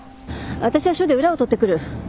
私は署で裏を取ってくる。